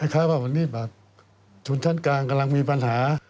คล้ายว่าวันนี้บัตรทุนชั้นกลางกำลังมีปัญหา